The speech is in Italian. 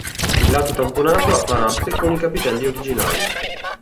Il lato tamponato ha paraste con i capitelli originali.